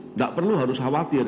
tidak perlu harus khawatir